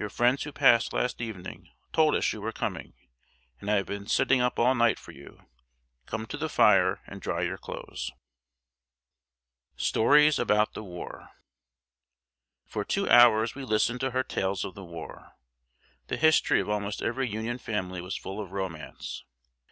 Your friends who passed last evening told us you were coming, and I have been sitting up all night for you. Come to the fire and dry your clothes." [Sidenote: STORIES ABOUT THE WAR.] For two hours we listened to her tales of the war. The history of almost every Union family was full of romance.